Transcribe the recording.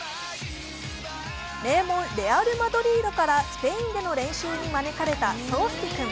名門レアル・マドリードからスペインでの練習に招かれた颯亮君。